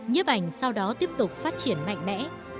nhiếp ảnh sau đó tiếp tục phát triển mạnh mẽ